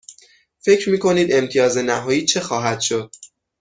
فکر می کنید امتیاز نهایی چه خواهد شد؟